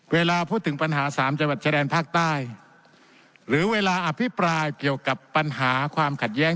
เวลาพูดถึงปัญหาสามจังหวัดชายแดนภาคใต้หรือเวลาอภิปรายเกี่ยวกับปัญหาความขัดแย้ง